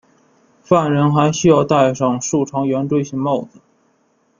犯人还需要戴上竖长圆锥形帽子。